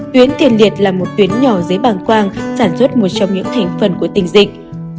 tuyến tiền liệt là một tuyến nhỏ dưới bàng quang sản xuất một trong những thành phần của tình dịch